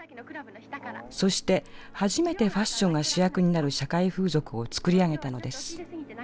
そして初めてファッションが主役になる社会風俗を作り上げたのです。